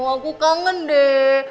aku kangen deh